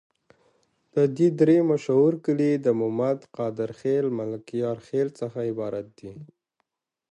د دي درې مشهور کلي د مومد، قادر خیل، ملکیار خیل څخه عبارت دي.